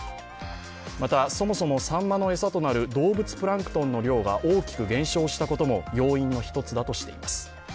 また、そもそもさんまの餌となる動物プランクトンの量が大きく減少したことも要因の１つだとしています。